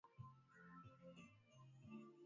Magonjwa yenye dalili za kukosa utulivu au kiwewe